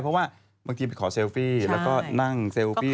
เพราะว่าบางทีไปขอเซลฟี่แล้วก็นั่งเซลฟี่